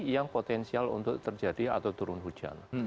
yang potensial untuk terjadi atau turun hujan